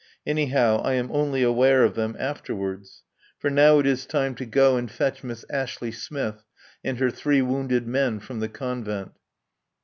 Anyhow I am only aware of them afterwards. For now it is time to go and fetch Miss Ashley Smith and her three wounded men from the Convent.